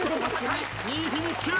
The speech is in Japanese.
２位フィニッシュ！